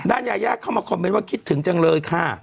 ยายาเข้ามาคอมเมนต์ว่าคิดถึงจังเลยค่ะ